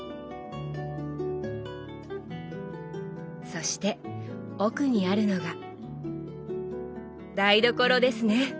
そして奥にあるのが台所ですね！